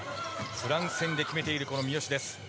フランス戦で決めている三好です。